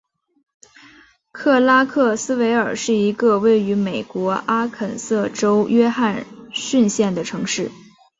克拉克斯维尔是一个位于美国阿肯色州约翰逊县的城市。